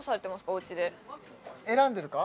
おうちで選んでるか？